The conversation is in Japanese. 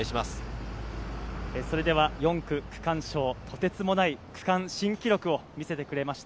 ４区区間賞、とてつもない区間新記録を見せてくれました